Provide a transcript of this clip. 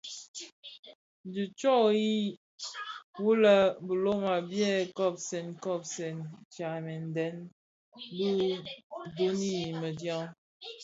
Dhi ntsoyi wu lè biloma biè kobsèn kobsèn tyamèn deň bi duň yi bëdiaň.